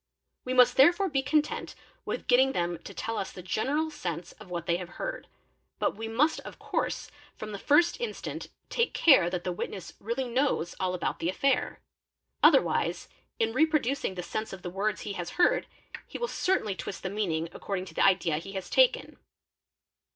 We must therefore be content with getting them to tell us b 'the general sense of what they have heard, but we must of course from » the first instant take care that the witness really knows all about the affair, otherwise in reproducing the sense of the words he has heard he will certainly twist the meaning according to the idea he has taken.